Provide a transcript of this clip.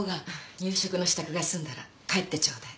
夕食の支度が済んだら帰ってちょうだい。